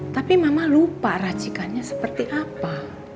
tapi mama lupa racikannya seperti apa